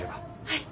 はい。